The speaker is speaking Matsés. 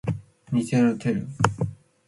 niste tenu